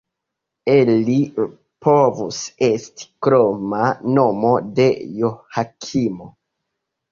Eli povus esti kroma nomo de Joakimo.